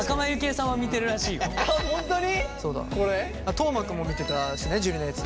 斗真君も見てたしね樹のやつ。